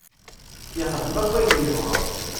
Yexdem akk ayen yebɣa.